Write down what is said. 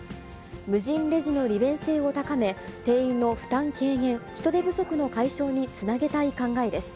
無人レジの利便性を高め、店員の負担軽減、人手不足の解消につなげたい考えです。